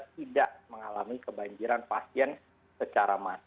tidak mengalami kebanjiran pasien secara massa